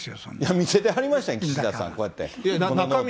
見せてはりましたやん、岸田さん、こうやって。